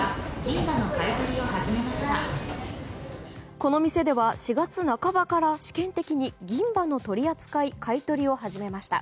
この店では、４月半ばから試験的に銀歯の取り扱い買い取りを始めました。